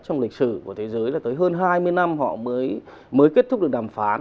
trong lịch sử của thế giới là tới hơn hai mươi năm họ mới kết thúc được đàm phán